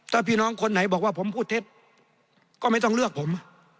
ถ้าพี่น้องคนไหนบอกว่าผมพูดเท็จก็ไม่ต้องเลือกผม